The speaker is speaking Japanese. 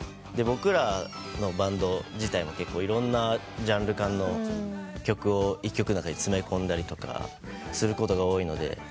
僕らのバンド自体も結構いろんなジャンル感の曲を１曲の中に詰め込んだりとかすることが多いので。